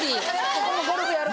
ここもゴルフやるから。